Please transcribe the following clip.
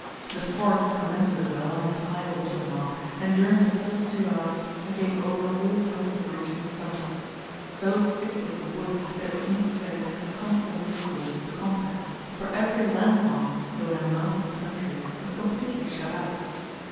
The forest commences at the line of high water mark, and during the first two hours I gave over all hopes of reaching the summit. So thick was the wood, that it was necessary to have constant recourse to the compass; for every landmark, though in a mountainous country, was completely shut out.